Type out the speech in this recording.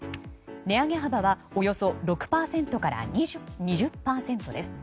値上げ幅はおよそ６％から２０％です。